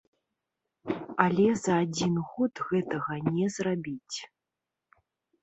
Але за адзін год гэтага не зрабіць.